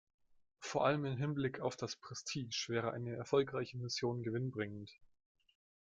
Vor allem im Hinblick auf das Prestige wäre eine erfolgreiche Mission gewinnbringend.